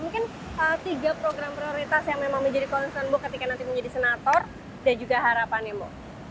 mungkin tiga program prioritas yang memang menjadi concern bu ketika nanti menjadi senator dan juga harapannya bu